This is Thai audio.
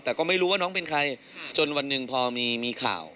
แต่ก็ไม่รู้ว่าน้องเป็นใครจนวันหนึ่งพอมีข่าว